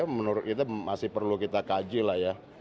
menurut kita masih perlu kita kaji lah ya